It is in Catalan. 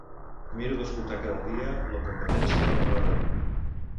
Miro d'escoltar cada dia "La competència" a la ràdio.